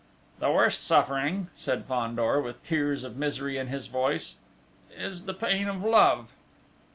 "The worst suffering," said Fandor, with tears of misery in his voice, "is the pain of love."